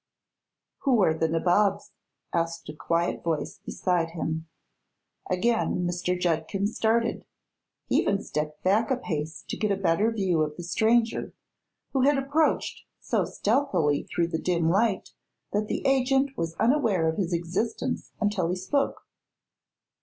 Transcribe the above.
"Who are the nabobs?" asked a quiet voice beside him. Again Mr. Judkins started; he even stepped back a pace to get a better view of the stranger, who had approached so stealthily through the dim light that the agent was unaware of his existence until he spoke.